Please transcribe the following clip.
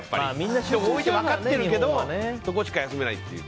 人が多いって分かってるけどそこしか休めないっていう。